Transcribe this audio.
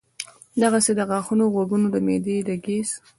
دغسې د غاښونو ، غوږونو ، د معدې د ګېس ،